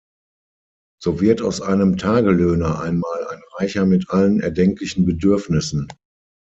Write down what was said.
So wird aus einem Tagelöhner einmal ein Reicher mit allen erdenklichen Bedürfnissen.